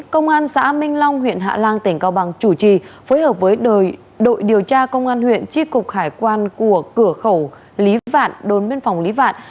công an xã minh long huyện hạ lan tỉnh cao bằng chủ trì phối hợp với đội điều tra công an huyện tri cục hải quan của cửa khẩu lý vạn đồn biên phòng lý vạn